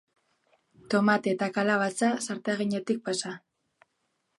Tomate eta kalabaza zartaginetik pasa.